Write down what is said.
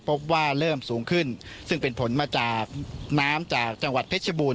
พบว่าเริ่มสูงขึ้นซึ่งเป็นผลมาจากน้ำจากจังหวัดเพชรบูรณ